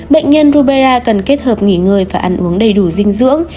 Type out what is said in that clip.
bệnh nhân rubela cần kết hợp nghỉ ngơi và ăn uống đầy đủ dinh dưỡng